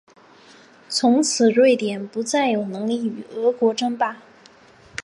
从此瑞典不再有能力与俄国争霸。